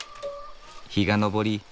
日が昇り